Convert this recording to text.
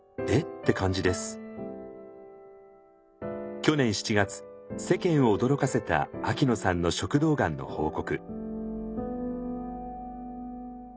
去年７月世間を驚かせた秋野さんの食道がんの報告。